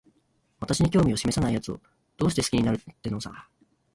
私に興味しめさないやつを、どうして好きになるってのさ。